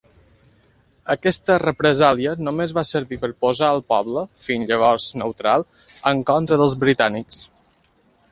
Aquesta represàlia només va servir per posar el poble, fins llavors neutral, en contra dels britànics.